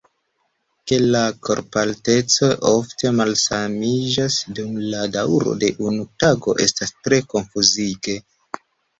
Ke la korpalteco ofte malsamiĝas dum la daŭro de unu tago estas tre konfuzige.